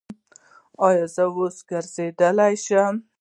ایا زه اوس ګرځیدلی شم؟